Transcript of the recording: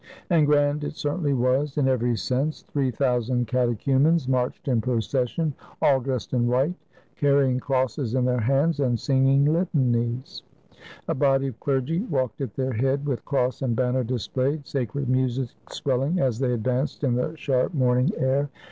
And grand it certainly was in every sense. Three thousand catechumens marched in procession, all 152 THE CHRISTMAS OF 496 dressed in white, carrying crosses in their hands, and singing litanies. A body of clergy walked at their head, with cross and banner displayed, sacred music swelling as they advanced in the sharp morning air.